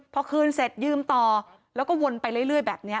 พอคืนเสร็จยืมต่อแล้วก็วนไปเรื่อยแบบนี้